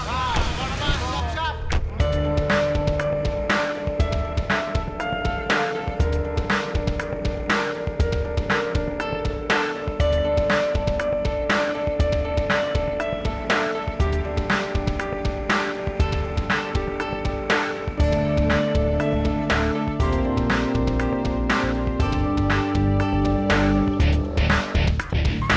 kalian juga seneng seneng saja banget